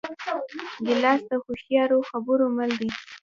ګیلاس د هوښیارو خبرو مل دی.